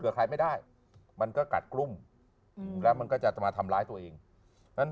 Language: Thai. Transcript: ใครไม่ได้มันก็กัดกลุ้มอืมแล้วมันก็จะมาทำร้ายตัวเองนั้น